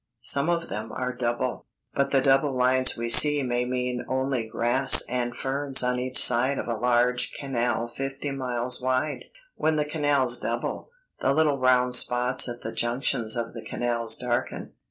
Some of them are double, but the double lines we see may mean only grass and ferns on each side of a large canal fifty miles wide. When the canals double, the little round spots at the junctions of the canals darken.